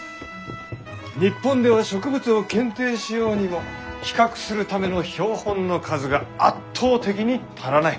日本では植物を検定しようにも比較するための標本の数が圧倒的に足らない。